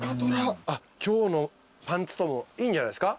今日のパンツともいいんじゃないですか？